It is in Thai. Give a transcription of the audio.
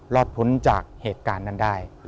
พ้นจากเหตุการณ์นั้นได้